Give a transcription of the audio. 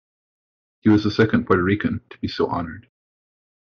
He was the second Puerto Rican to be so honored.